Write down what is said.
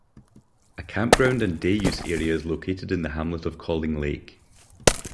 A campground and day use area is located in the hamlet of Calling Lake.